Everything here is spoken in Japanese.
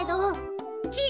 ちぃ